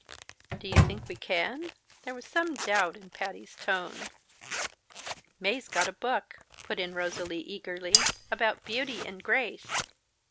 "Do you think we can?" There was some doubt in Patty's tone. "Mae's got a book," put in Rosalie eagerly, "about 'Beauty and Grace.'